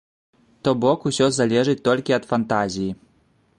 То бок усё залежыць толькі ад фантазіі.